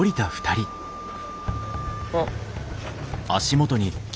あっ。